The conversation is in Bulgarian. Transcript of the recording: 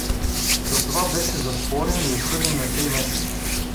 Затова беше затворен и осъден на три месеца.